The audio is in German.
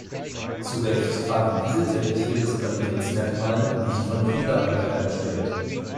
Zu Recht tragen diese Teppiche das Qualitätsmerkmal "nicht von Kinderhand hergestellt".